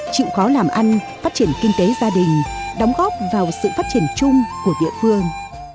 chịu khó làm ăn phát triển kinh tế gia đình đóng góp vào sự phát triển chung của địa phương